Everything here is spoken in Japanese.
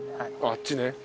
あっちね。